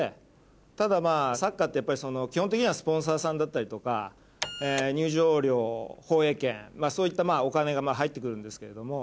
ただサッカーってやっぱり基本的にはスポンサーさんだったりとか入場料放映権そういったお金が入ってくるんですけれども。